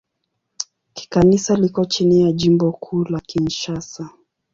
Kikanisa liko chini ya Jimbo Kuu la Kinshasa.